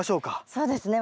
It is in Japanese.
そうですね。